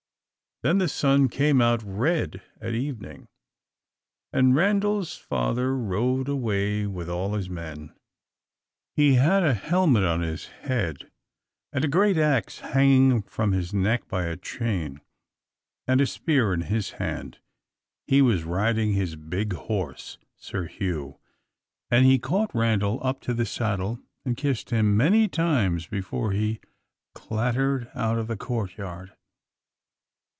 Then the sun came out red at evening, and Randal's father rode away with all his men. He had a helmet on his head, and a great axe hanging from his neck by a chain, and a spear in his hand. He was riding his big horse, Sir Hugh, and he caught Randal up to the saddle and kissed him many times before he clattered out of the courtyard.